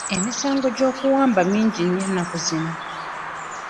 Emisango gy'okuwamba mingi nnyo ennaku zino.